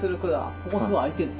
ここすごい開いてるの。